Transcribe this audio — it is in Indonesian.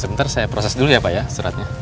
sebentar saya proses dulu ya pak ya suratnya